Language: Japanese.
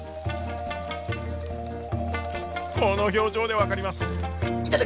この表情で分かります。